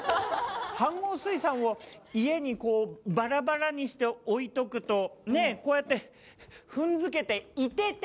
飯ごう炊さんを家にこうバラバラにして置いとくとねえこうやって踏んづけていてて！